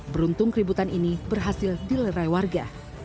beruntung keributan ini berhasil dilerai warga